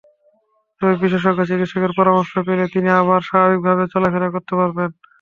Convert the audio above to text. তবে বিশেষজ্ঞ চিকিৎসকের পরামর্শ পেলে তিনি আবার স্বাভাবিকভাবে চলাফেরা করতে পারবেন।